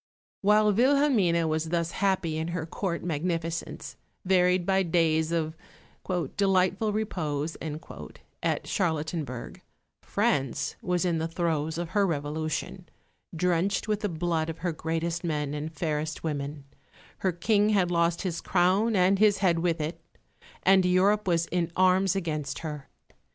While Wilhelmine was thus happy in her Court magnificence, varied by days of "delightful repose," at Charlottenburg, France was in the throes of her Revolution, drenched with the blood of her greatest men and fairest women; her King had lost his crown and his head with it; and Europe was in arms against her.